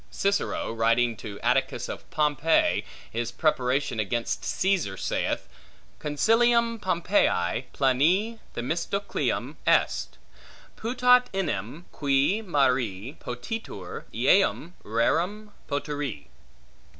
Cicero, writing to Atticus of Pompey his preparation against Caesar, saith, Consilium Pompeii plane Themistocleum est; putat enim, qui mari potitur, eum rerum potiri.